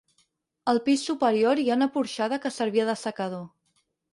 Al pis superior hi ha una porxada que servia d'assecador.